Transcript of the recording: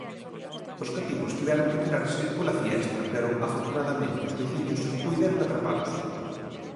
Os cativos tiveron que tirarse pola fiestra pero, afortunadamente, os veciños puideron atrapalos.